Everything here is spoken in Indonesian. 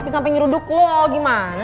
sampai ngeruduk lu gimana sih